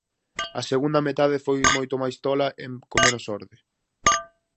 A segunda metade foi moito máis tola e con menos orde.